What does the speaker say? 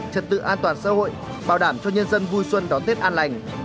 trật tự an toàn xã hội bảo đảm cho nhân dân vui xuân đón tết an lành